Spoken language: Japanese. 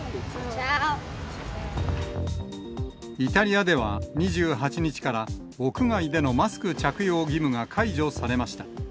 イタリアでは２８日から、屋外でのマスク着用義務が解除されました。